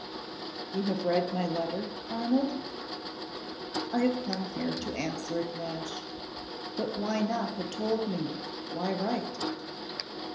"You have read my letter, Arnold?" "I have come here to answer it, Blanche. But why not have told me? Why write?"